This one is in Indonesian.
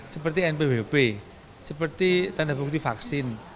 seperti npwp seperti tanda bukti vaksin